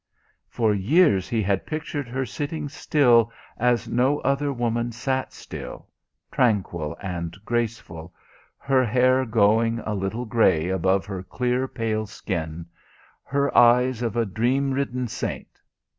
For years he had pictured her sitting still as no other woman sat still, tranquil and graceful, her hair going a little grey above her clear, pale skin, her eyes of a dream ridden saint.